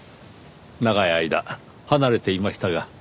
長い間離れていましたが。